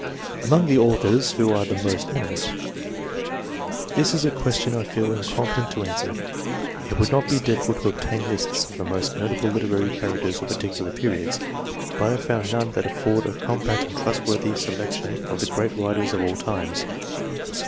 Among the authors, who are the most eminent ? This is a question I feel incompetent to answer. It would not be difficult to obtain lists of the most notable literary cha racters of particular periods, but I have found none that afford a compact and trustworthy selection of the great writers of all times.